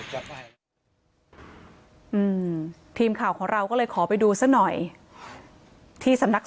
ยังไงอืมทีมข่าวของเราก็เลยขอไปดูซะหน่อยที่สำนัก